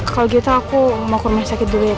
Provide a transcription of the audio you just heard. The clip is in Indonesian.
kalau gitu aku mau kurma sakit dulu ya tante